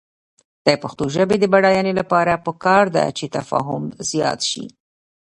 د پښتو ژبې د بډاینې لپاره پکار ده چې تفاهم زیات شي.